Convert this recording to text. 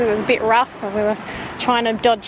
kami mencoba untuk mencari tangan dan hal